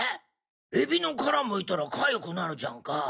エビのカラむいたらかゆくなるじゃんか。